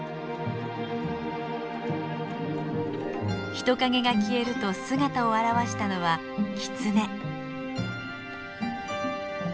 人影が消えると姿を現したのはキツネ。